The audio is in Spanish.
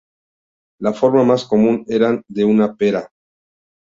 La forma más común eran de una pera.